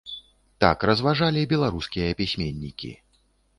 Так разважалі беларускія пісьменнікі.